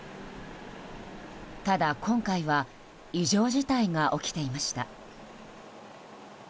ただ、今回は異常事態が起きていました。